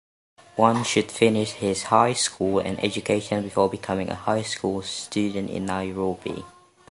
One should finish his high school and education before becoming a high school student in Nairobi.